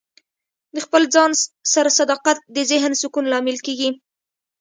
د خپل ځان سره صداقت د ذهن سکون لامل کیږي.